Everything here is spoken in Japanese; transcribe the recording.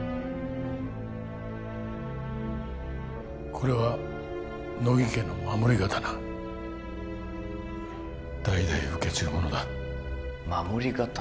これは乃木家の守り刀代々受け継ぐものだ守り刀？